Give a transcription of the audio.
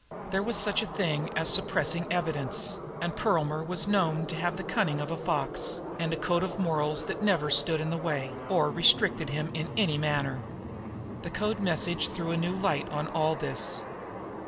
There was such a thing as suppressing evidence, and Perlmer was known to have the cunning of a fox, and a code of morals that never stood in the way, or restricted him in any manner. The code message threw a new light on all this.